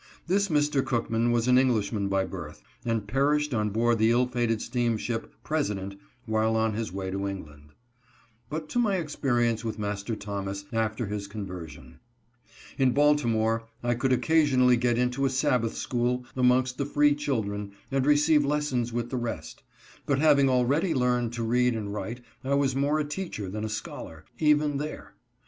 This Mr. Cookman was an Englishman by birth, and perished on board the ill fated steamship " President," while on his way to England. But to my experience with Master Thomas after his 136 SOMETHING WORTH LIVING FOE. conversion. In Baltimore I could occasionally get into a Sabbath school amongst the free children and receive lessons with the rest ; but having already learned to read and write I was more a teacher than a scholar, even there.